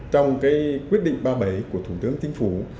trong cái quyết định ba mươi bảy của thủ tướng tinh phú